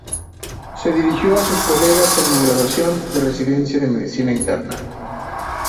Se dirigió a sus colegas en la graduación de residencia de medicina interna.